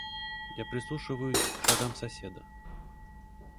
Я прислушиваюсь к шагам соседа.